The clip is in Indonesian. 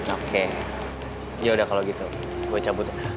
oke yaudah kalau gitu gue cabut